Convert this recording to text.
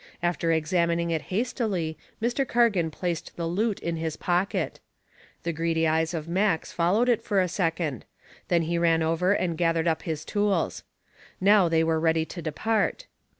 After examining it hastily, Mr. Cargan placed the loot in his pocket. The greedy eyes of Max followed it for a second; then he ran over and gathered up his tools. Now they were ready to depart.